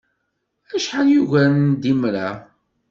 Acḥal yugaren d imra!